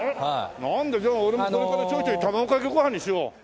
なんだじゃあ俺もこれからちょいちょい卵かけご飯にしよう。